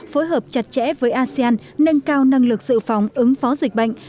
phối hợp chặt chẽ với asean nâng cao năng lực dự phòng ứng phó dịch bệnh